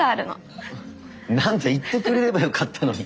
何だ言ってくれればよかったのに。